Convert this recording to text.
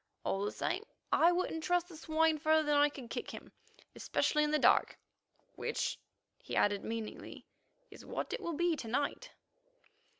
All the same, I wouldn't trust the swine further than I could kick him, especially in the dark, which," he added meaningly, "is what it will be to night."